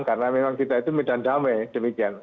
karena memang kita itu medan damai demikian